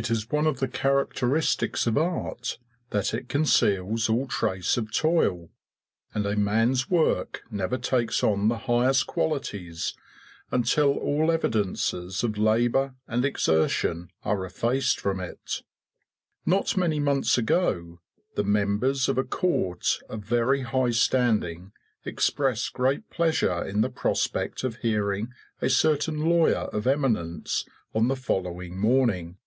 It is one of the characteristics of art that it conceals all trace of toil; and a man's work never takes on the highest qualities until all evidences of labour and exertion are effaced from it. Not many months ago the members of a court of very high standing expressed great pleasure in the prospect of hearing a certain lawyer of eminence on the following morning.